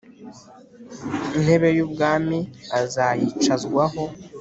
intebe y ubwami azayicwazaho